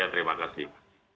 ya terima kasih